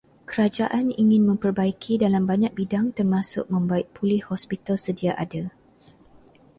Kerajaan ingin memperbaiki dalam banyak bidang termasuk membaik pulih hospital sedia ada.